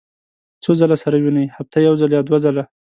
څو ځله سره وینئ؟ هفتې یوځل یا دوه ځله